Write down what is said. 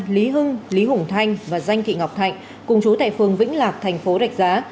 lý hưng lý hùng thanh và danh thị ngọc thạnh cùng chú tại phường vĩnh lạc thành phố rạch giá